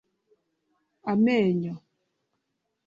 amenyo